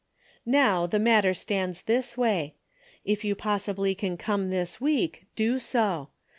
" Now the matter stands this way. If you possibly can come this week, do so.